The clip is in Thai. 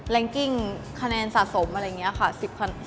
กิ้งคะแนนสะสมอะไรอย่างนี้ค่ะ